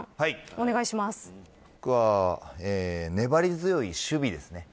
僕は、粘り強い守備ですね。